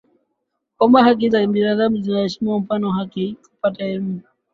kwamba haki za binadamu zinaheshimiwa mfano haki ya kupata elimu afya